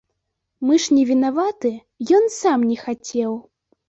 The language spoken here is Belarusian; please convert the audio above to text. Мы ж не вінаваты, ён сам не хацеў.